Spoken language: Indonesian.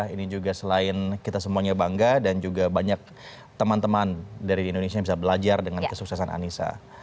ini juga selain kita semuanya bangga dan juga banyak teman teman dari indonesia yang bisa belajar dengan kesuksesan anissa